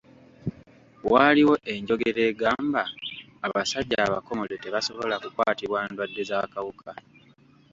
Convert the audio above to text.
Waaliwo enjogera egamba; abasajja abakomole tebasobola kukwatibwa ndwadde z'akawuka.